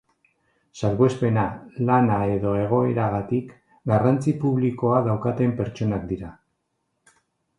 Salbuespena, lana edo egoeragatik, garrantzi publikoa daukaten pertsonak dira.